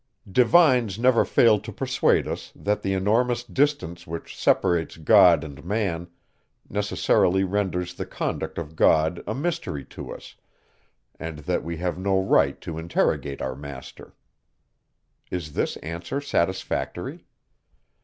Divines never fail to persuade us, that the enormous distance which separates God and man, necessarily renders the conduct of God a mystery to us, and that we have no right to interrogate our master. Is this answer satisfactory?